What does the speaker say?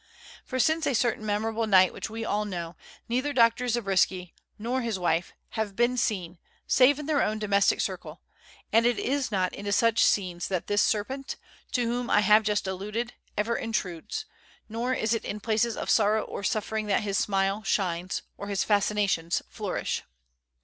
For since a certain memorable night which we all know, neither Dr. Zabriskie nor his wife have been seen save in their own domestic circle, and it is not into such scenes that this serpent, to whom I have just alluded, ever intrudes, nor is it in places of sorrow or suffering that his smile shines, or his fascinations flourish.